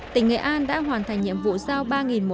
tỉnh nghệ an đã hoàn thành nhiệm vụ giao ba mô